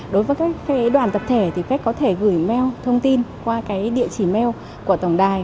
đối với các đoàn tập thể thì khách có thể gửi mail thông tin qua địa chỉ mail của tổng đài